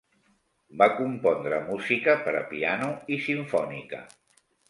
Va compondre música per a piano i simfònica.